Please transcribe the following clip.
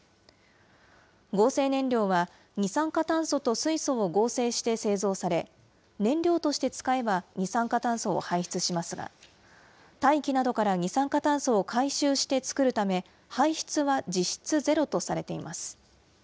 合成燃料は、二酸化炭素と水素を合成して製造され、燃料として使えば二酸化炭素を排出しますが、大気などから二酸化炭素を回収して作るため、排出は実質ゼロとされています。